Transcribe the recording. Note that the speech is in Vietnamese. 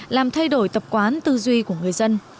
làm thay đổi tập quán tư duy của người dân